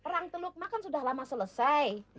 perang teluk mah kan sudah lama selesai